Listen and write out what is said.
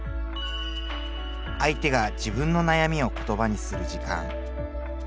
相手が自分の悩みを言葉にする時間。